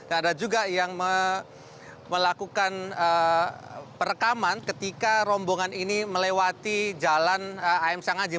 ada juga yang melakukan perekaman ketika rombongan ini melewati jalan a m sanghaji